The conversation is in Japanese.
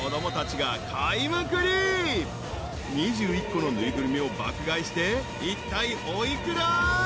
［２１個の縫いぐるみを爆買いしていったいお幾ら？］